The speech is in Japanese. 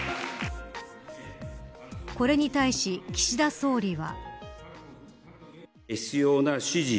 これに対し岸田総理は。